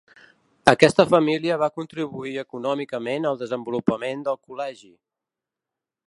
Aquesta família va contribuir econòmicament al desenvolupament del col·legi.